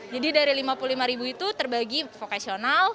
jadi dari lima puluh lima ribu itu terbagi vokasional